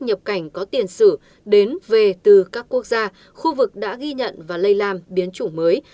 nhập cảnh có tiền sử đến về từ các quốc gia khu vực đã ghi nhận và lây lan biến chủng mới